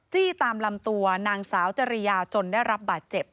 ตามลำตัวนางสาวจริยาจนได้รับบาดเจ็บ